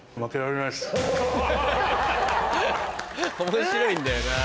面白いんだよな。